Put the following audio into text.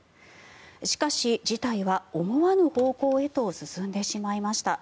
しかし、事態は思わぬ方向へと進んでいまいました。